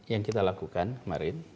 yang kita lakukan kemarin